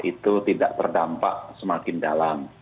itu tidak terdampak semakin dalam